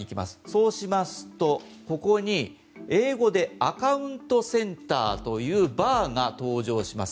そうしますと、ここに英語でアカウントセンターというバーが登場します。